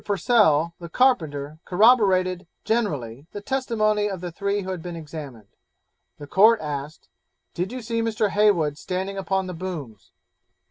Purcell_, the carpenter, corroborated, generally, the testimony of the three who had been examined. The Court asked, 'Did you see Mr. Heywood standing upon the booms?'